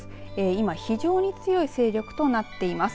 今非常に強い勢力となっています。